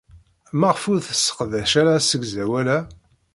Maɣef ur tesseqdac ara asegzawal-a?